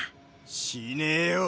しねえよ。